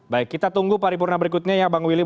baik kita tunggu paripurna berikutnya ya bang willy